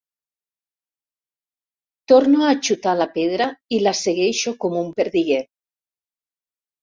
Torno a xutar la pedra i la segueixo com un perdiguer.